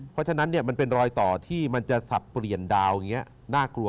เพราะฉะนั้นเนี่ยมันเป็นรอยต่อที่มันจะสับเปลี่ยนดาวอย่างนี้น่ากลัว